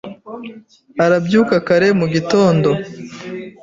arabyuka kare mu gitondo.